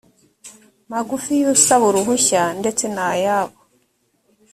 magufi y usaba uruhushya ndetse n ay abo